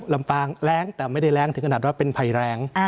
ลำปางแรงแต่ไม่ได้แรงถึงขนาดว่าเป็นภัยแรง